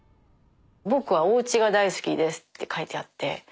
僕はおうちが大好きですって書いてあって。